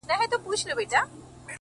یوه ورځ به دي چیچي- پر سپینو لېچو-